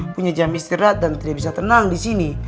punya jam istirahat dan tidak bisa tenang di sini